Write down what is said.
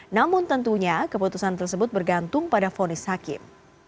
namun tentunya keputusan tersebut bergantung pada fonis hakim